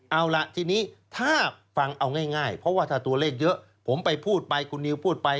เอาล่ะทีนี้ถ้าฟังเอาง่ายเพราะว่าถ้าตัวเลขเยอะผมไปพูดไปคุณนิวพูดไป